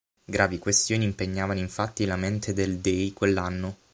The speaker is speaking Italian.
Gravi questioni impegnavano infatti la mente del "dey", quell'anno.